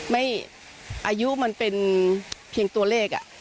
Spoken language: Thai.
อายุมันเป็นเพียงตัวเลข